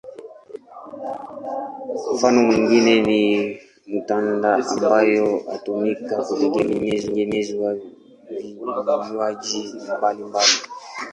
Mfano mwingine ni matunda ambayo hutumika kutengeneza vinywaji mbalimbali.